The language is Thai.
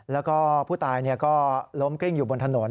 แล้วก็ผู้ตายก็ล้มกลิ้งอยู่บนถนน